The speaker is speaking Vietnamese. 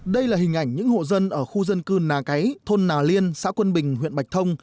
đây là hình ảnh những hộ dân ở khu dân cư nà cấy thôn nà liên xã quân bình huyện bạch thông